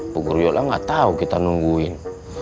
bu guru yola gak tau kita nungguin